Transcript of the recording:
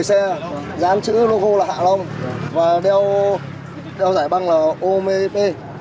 tầm một mươi xe dán chữ logo là hạ long và đeo giải băng là omep